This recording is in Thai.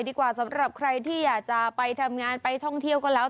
ดีกว่าสำหรับใครที่อยากจะไปทำงานไปท่องเที่ยวก็แล้ว